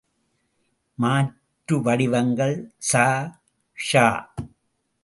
மாற்று வடிவங்கள் ஸ, ஷ.